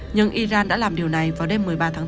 nhưng iran đã làm điều này vào đêm một mươi ba tháng bốn